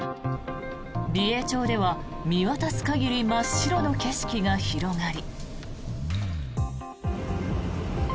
美瑛町では見渡す限り真っ白の景色が広がり。